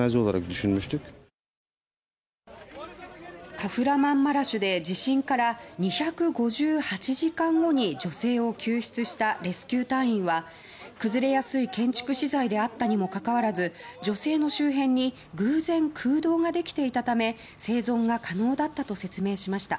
カフラマンマラシュで地震から２５８時間後に女性を救出したレスキュー隊員は崩れやすい建築資材であったにもかかわらず女性の周辺に偶然空洞ができていたため生存が可能だったと説明しました。